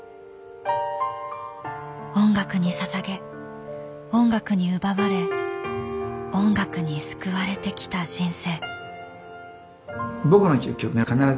音楽にささげ音楽に奪われ音楽に救われてきた人生。